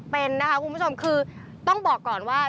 เป็นนะคะคุณผู้ชมคือต้องบอกก่อนว่า